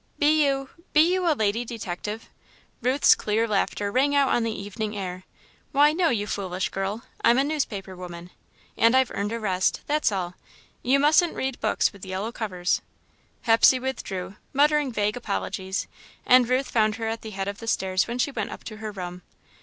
"Be you be you a lady detective?" Ruth's clear laughter rang out on the evening air. "Why, no, you foolish girl; I'm a newspaper woman, and I've earned a rest that's all. You mustn't read books with yellow covers." Hepsey withdrew, muttering vague apologies, and Ruth found her at the head of the stairs when she went up to her room.